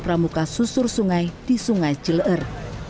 pramuka susur sungai di sungai cileer